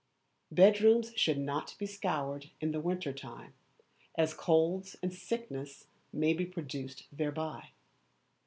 Bedrooms should not be scoured in the winter time, as colds and sickness may be produced thereby.